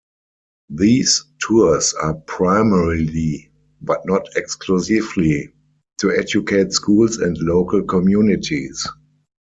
These tours are primarily, but not exclusively, to educate schools and local communities.